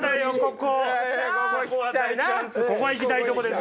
ここは行きたいとこです。